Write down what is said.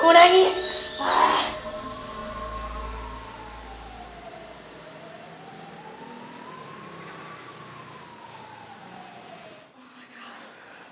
gue udah nangis